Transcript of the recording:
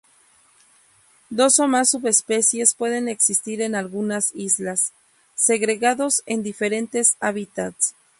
Dos o más subespecies pueden existir en algunas islas, segregados en diferentes hábitats.